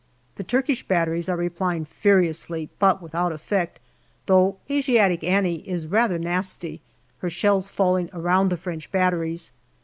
The Turkish batteries are replying furiously, but without effect, though " Asiatic Annie " is rather nasty, her shells falling around the French batteries.